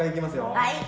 はい！